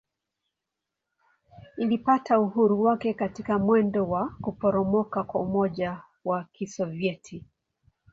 Ilipata uhuru wake katika mwendo wa kuporomoka kwa Umoja wa Kisovyeti.